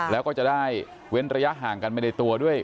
แล้วก็จะได้เว้นระยะห่างกันไปในตัวด้วย